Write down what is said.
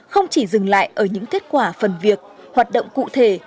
không chỉ dừng lại ở những kết quả phần việc hoạt động cụ thể